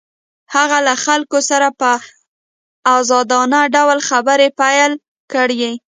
هغه له خلکو سره په ازادانه ډول خبرې پيل کړې.